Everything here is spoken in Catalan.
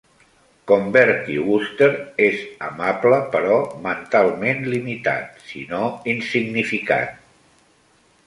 Com Bertie Wooster és amable, però mentalment limitat, si no insignificant.